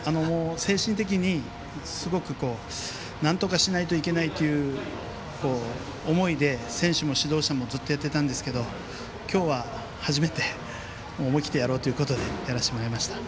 精神的にすごくなんとかしないといけないという思いで選手も指導者もずっとやってたんですけど今日は初めて思い切ってやろうということでやらせてもらいました。